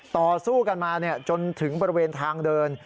ต่อสู้กันมาจนถึงบริเวณทางเดิน